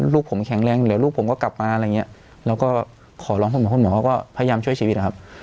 ลูกผมแข็งแรงเหลือลูกผมก็กลับมาอะไรอย่างเงี้ยแล้วก็ขอร้องเสมอคุณหมอเขาก็พยายามช่วยชีวิตนะครับ